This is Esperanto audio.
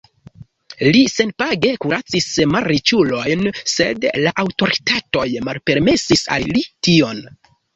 Li senpage kuracis malriĉulojn, sed la aŭtoritatoj malpermesis al li tion.